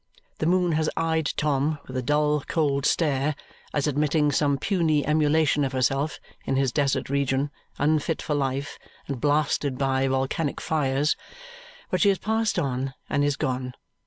The moon has eyed Tom with a dull cold stare, as admitting some puny emulation of herself in his desert region unfit for life and blasted by volcanic fires; but she has passed on and is gone.